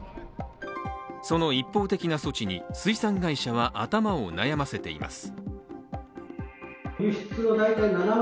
その一方的な措置に水産会社は頭を悩ませています。